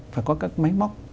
phải có các máy móc